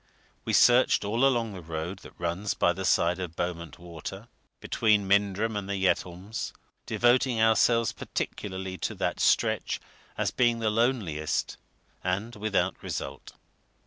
We searched all along the road that runs by the side of Bowmont Water, between Mindrum and the Yetholms, devoting ourselves particularly to that stretch as being the loneliest, and without result.